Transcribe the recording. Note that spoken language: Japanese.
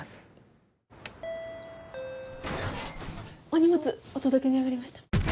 お荷物お届けに上がりました。